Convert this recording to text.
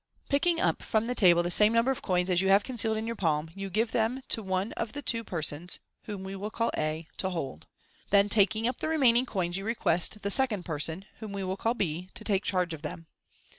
Picking up from the table the same number of coins as you have concealed in your palm, you give them to one of the two per sons (whom we will call A) to hold. Then, taking up the remaining coins, you request the second person (whom we will call B) to take charge of them.